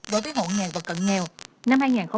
đối với hộ nghèo và cận nghèo